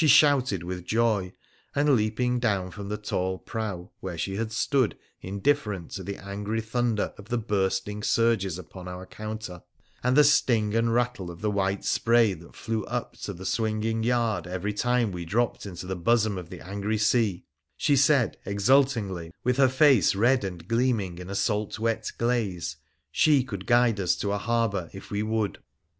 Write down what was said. shouted with joy, and, 3 she had stood indif 10 WONDERFUL ADVENTURES OF ferent to the angry thunder of the bursting surges upon our counter, and the sting and rattle of the white spray that flew up to the swinging yard every time we dropped into the bosom of the angry sea, she said exultingly, with her face red and gleaming in a salt wet glaze, she could guide us to a harbour if we would.